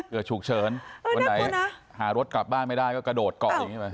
เผื่อฉุกเชิญเออน่าควรนะหารถกลับบ้านไม่ได้ก็กระโดดเกาะอย่างงี้ไป